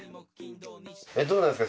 どうなんですか？